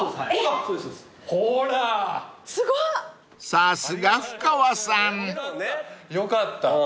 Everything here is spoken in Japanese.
［さすがふかわさん］よかった。